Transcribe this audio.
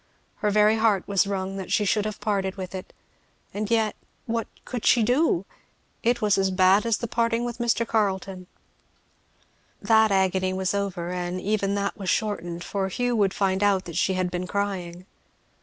Her very heart was wrung that she should have parted with it, and yet, what could she do? It was as bad as the parting with Mr. Carleton. That agony was over, and even that was shortened, for "Hugh would find out that she had been crying."